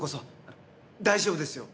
大丈夫ですよ